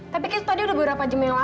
tapi kan tadi udah beberapa jam yang lalu